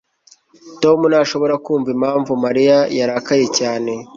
tom ntashobora kumva impamvu mariya yarakaye cyane